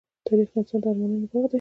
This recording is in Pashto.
تاریخ د انسان د ارمانونو باغ دی.